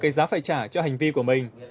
cái giá phải trả cho hành vi của mình